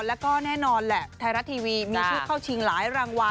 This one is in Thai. แล้วก็แน่นอนแหละไทยรัฐทีวีมีชื่อเข้าชิงหลายรางวัล